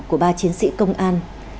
của ba chiến sĩ công an